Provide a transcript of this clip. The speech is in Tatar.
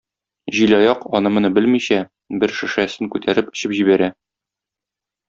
Җилаяк, аны-моны белмичә, бер шешәсен күтәреп эчеп җибәрә.